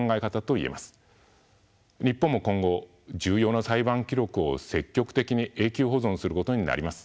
日本も今後重要な裁判記録を積極的に永久保存することになります。